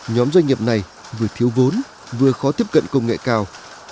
nhóm doanh nghiệp này vừa thiếu vốn vừa khó tiếp cận công nghệ cao